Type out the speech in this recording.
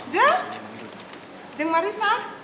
jeng jeng marissa